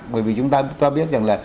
bởi vì chúng ta biết rằng là